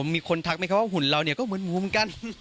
มีคนทักไหมคะว่าหุ่นเราเนี่ยก็เหมือนหมูเหมือนกัน